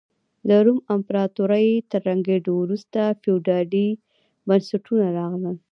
د روم امپراتورۍ تر ړنګېدو وروسته فیوډالي بنسټونه راغلل.